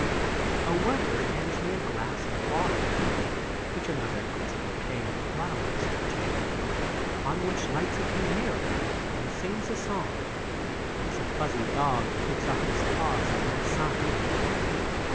A worker hands me a glass of water, which another puts a bouquet of flowers into, on which lights a canary and sings a song, as a fuzzy dog puts up his paws at my side.